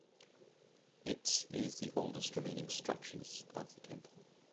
It is the oldest remaining structures of the temple.